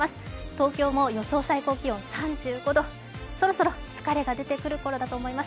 東京も予想最高気温３５度、そろそろ疲れが出てくるころだと思います。